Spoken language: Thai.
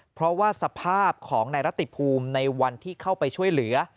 เพราะว่าสภาพของนายรัติภูมิในวันที่เข้าไปช่วยเหลือ